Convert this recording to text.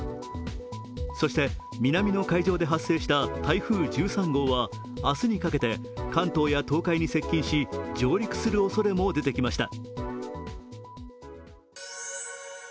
そして南の海上で発生した台風１３号は明日にかけて関東や東海に接近し上陸するおそれも出てきました。